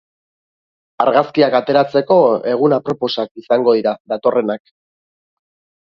Argazkiak ateratzeko egun aproposak izango dira datorrenak.